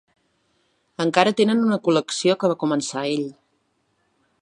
Encara tenen una col·lecció que va començar ell.